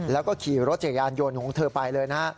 แล้วก็ขี่รถจักรยานยนต์ของเธอไปเลยนะฮะ